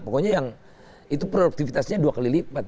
pokoknya yang itu produktivitasnya dua kali lipat